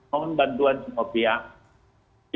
mohon bantuan semua pihak